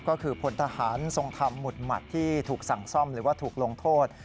ก็คือพลทหารทรงธรรมหมุดหมัดที่ถูกสั่งซ่อมหรือว่าถูกลงโทษ